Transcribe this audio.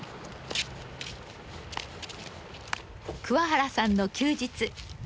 桑原さんの休日。